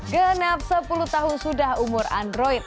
genap sepuluh tahun sudah umur android